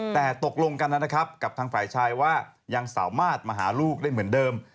แต่ตกลงกันนะครับกับทางฝ่ายชายว่ายังสามารถมาหาลูกได้เหมือนเดิม